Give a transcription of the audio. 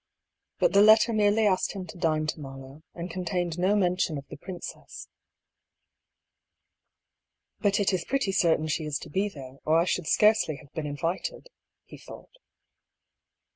Bat the letter merely asked him to dine to morrow, and contained no mention of the princess. A DISAPPOINTMENT. I93 " But it is pretty certain she is to be there, or I should scarcely have been invited," he thought.